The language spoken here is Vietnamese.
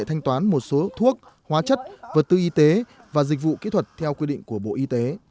thanh toán một số thuốc hóa chất vật tư y tế và dịch vụ kỹ thuật theo quy định của bộ y tế